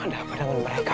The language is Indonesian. ada apa dengan mereka